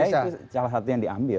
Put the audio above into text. saya itu salah satu yang diambil